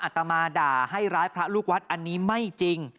ตมาด่าให้ร้ายพระลูกวัดอันนี้ไม่จริง